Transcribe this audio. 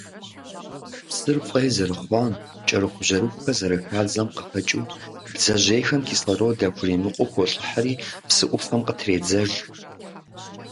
Псыр фӀей зэрыхъуам, кӀэрыхубжьэрыхухэр зэрыхадзэм къыхэкӀыу, бдзэжьейхэм кислород яхуримыкъуу холӀыхьри, псы Ӏуфэм къытредзэж.